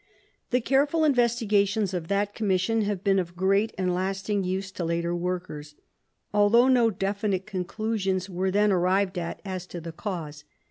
The careful investigations of that Commission have been of great and lasting use to later workers, although no defi nite conclusions were then arrived at as to the cause.